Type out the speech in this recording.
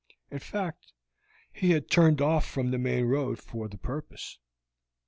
In fact, he had turned off from the main road for the purpose.